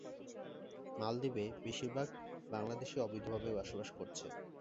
মালদ্বীপে বেশির ভাগ বাংলাদেশী অবৈধভাবে বসবাস করছে।